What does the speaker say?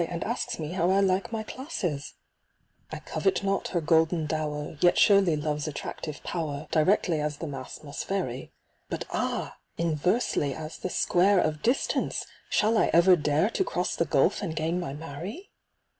And asks mc how I like my classes ! SCIENTIFIC WOOING. 309 I covet not her golden dower — Yet surely Love's attractive power Directly as the mass must vary — But ah ! inversely as the square Of distance ! shall I ever dare To cross the gulf, and gain my Mary